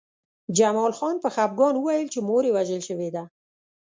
جمال خان په خپګان وویل چې مور یې وژل شوې ده